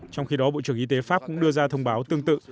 trong khi đó bộ trưởng y tế pháp cũng đưa ra thông báo tương tự